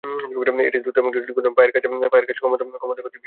এটি দ্রুত এবং জটিল ঘূর্ণন, পায়ের কাজ, ক্ষমতা, গতির জন্য পরিচিত।